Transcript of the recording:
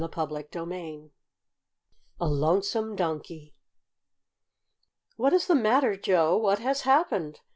CHAPTER IX A LONESOME DONKEY "What is the matter, Joe? What has happened?"